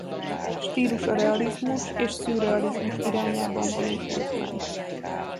Stílusa realizmus és szürrealizmus irányában valósult meg.